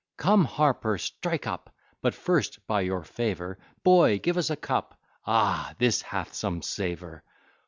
Come, harper, strike up; But, first, by your favour, Boy, give us a cup: Ah! this hath some savour.